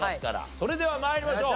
それでは参りましょう。